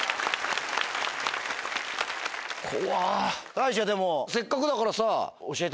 たいしはでもせっかくだからさ。